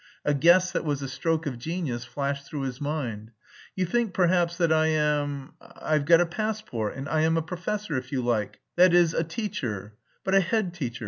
A guess that was a stroke of genius flashed through his mind. "You think perhaps that I am... I've got a passport and I am a professor, that is, if you like, a teacher... but a head teacher.